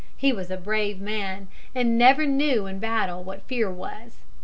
He was a brave man, and never knew in battle what fear was.